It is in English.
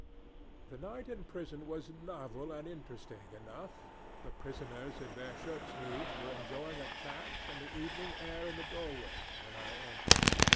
The night in prison was novel and interesting enough. The prisoners in their shirt sleeves were enjoying a chat and the evening air in the door way, when I entered.